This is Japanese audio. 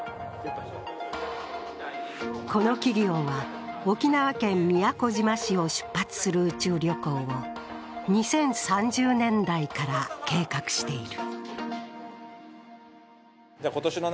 この企業は沖縄県宮古島市を出発する宇宙旅行を２０３０年代から計画している。